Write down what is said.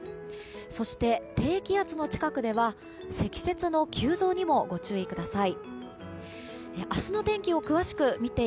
そして、低気圧の近くでは積雪の急増にもご注意ください。